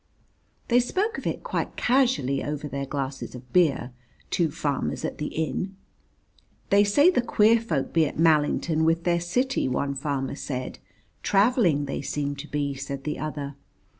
They spoke of it quite casually over their glasses of beer, two farmers at the inn. "They say the queer folk be at Mallington with their city," one farmer said. "Travelling they seem to be," said the other.